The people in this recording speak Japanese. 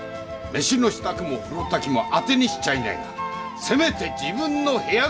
飯の支度も風呂炊きも当てにしちゃいないがせめて自分の部屋ぐらいは。